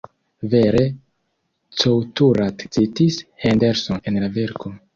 Vere Couturat citis Henderson en la verko.